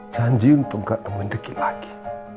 janji untuk nggak ketemu ricky lagi